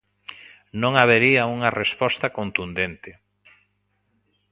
Non habería unha resposta contundente.